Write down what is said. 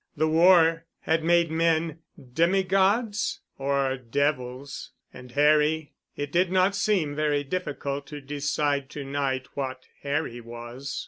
The war had made men demi gods or devils and Harry.... It did not seem very difficult to decide to night what Harry was.